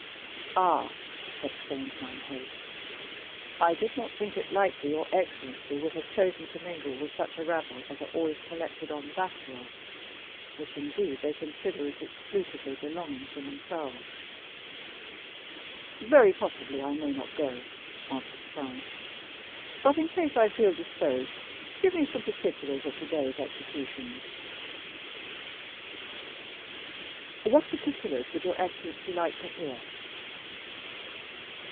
"Ah!" exclaimed mine host, "I did not think it likely your excellency would have chosen to mingle with such a rabble as are always collected on that hill, which, indeed, they consider as exclusively belonging to themselves." "Very possibly I may not go," answered Franz; "but in case I feel disposed, give me some particulars of today's executions." "What particulars would your excellency like to hear?"